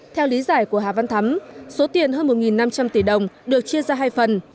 theo lý giải của hà văn thắm số tiền hơn một năm trăm linh tỷ đồng được chia ra hai phần